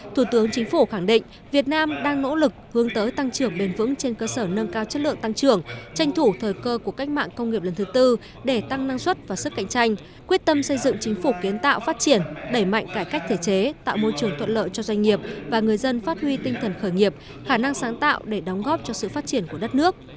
thủ tướng chính phủ khẳng định việt nam đang nỗ lực hướng tới tăng trưởng bền vững trên cơ sở nâng cao chất lượng tăng trưởng tranh thủ thời cơ của cách mạng công nghiệp lần thứ tư để tăng năng suất và sức cạnh tranh quyết tâm xây dựng chính phủ kiến tạo phát triển đẩy mạnh cải cách thể chế tạo môi trường thuận lợi cho doanh nghiệp và người dân phát huy tinh thần khởi nghiệp khả năng sáng tạo để đóng góp cho sự phát triển của đất nước